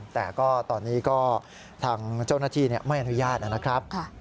แต่ก็ตอนนี้ก็ทางเจ้าหน้าที่ไม่อนุญาตนะครับ